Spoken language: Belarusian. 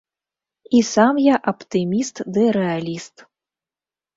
І сам я аптыміст ды рэаліст.